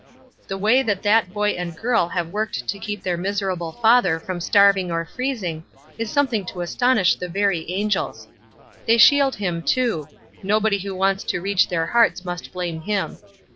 The way that that boy and girl have worked to keep their miserable father from starving or freezing is something to astonish the very angels. They shield him, too; nobody who wants to reach their hearts must blame him.